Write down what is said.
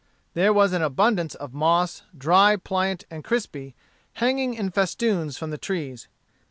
There was an abundance of moss, dry, pliant, and crispy, hanging in festoons from the trees.